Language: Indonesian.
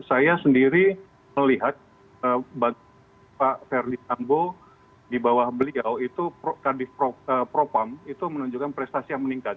saya sendiri melihat pak ferdi sambo di bawah beliau itu kadif propam itu menunjukkan prestasi yang meningkat